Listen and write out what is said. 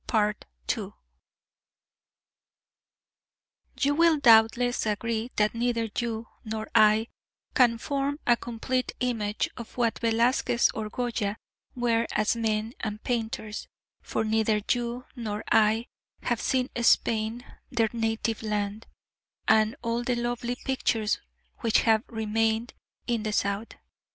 You will doubtless agree that neither you nor I can form a complete image of what Velasquez or Goya were as men and painters; for neither you nor I have seen Spain, their native land, and all the lovely pictures which have remained in the South.